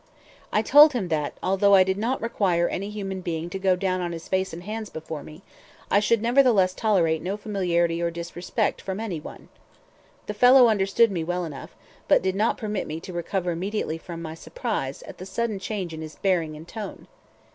I told him that, although I did not require any human being to go down on his face and hands before me, I should nevertheless tolerate no familiarity or disrespect from any one. The fellow understood me well enough, but did not permit me to recover immediately from my surprise at the sudden change in his bearing and tone.